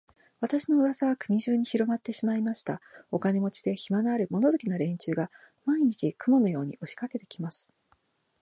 私の噂は国中にひろまってしまいました。お金持で、暇のある、物好きな連中が、毎日、雲のように押しかけて来ます。